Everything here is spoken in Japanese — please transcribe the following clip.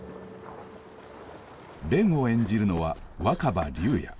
蓮を演じるのは若葉竜也。